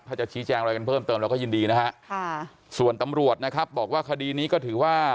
ถ้าจะชี้แจงอะไรกันเพิ่มเติมเราก็ยินดีนะฮะค่ะส่วนตำรวจนะครับบอกว่าคดีนี้ก็ถือว่า